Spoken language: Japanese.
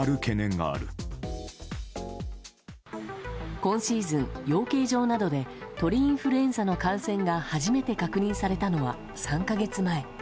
今シーズン、養鶏場などで鳥インフルエンザの感染が初めて確認されたのは３か月前。